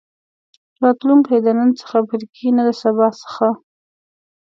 راتلونکی د نن څخه پيل کېږي نه د سبا څخه.